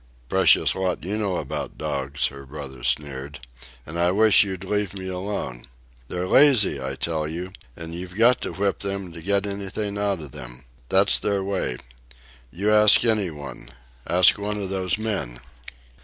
"Precious lot you know about dogs," her brother sneered; "and I wish you'd leave me alone. They're lazy, I tell you, and you've got to whip them to get anything out of them. That's their way. You ask any one. Ask one of those men."